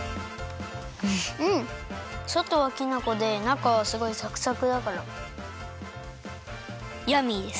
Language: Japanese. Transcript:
そとはきな粉でなかはすごいサクサクだからヤミーです！